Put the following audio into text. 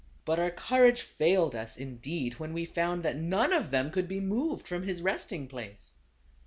But our courage failed us, indeed, when we found that none of them could be moved from his resting place.